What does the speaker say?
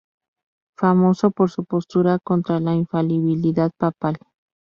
Famoso por su postura contra la infalibilidad papal.